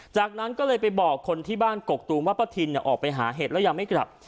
จากนั้นก็เลยไปบอกคนที่บ้านกกตูมว่าป้าทินออกไปหาเห็ดแล้วยังไม่กลับ